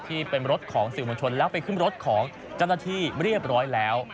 ที่เป็นรถของสื่อมวลชนแล้วไปขึ้นรถของเจ้าหน้าที่เรียบร้อยแล้ว